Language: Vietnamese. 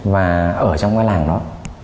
và ở trong cái làng đó